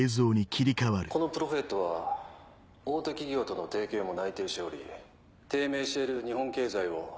このプロフェットは大手企業との提携も内定しており低迷している日本経済を。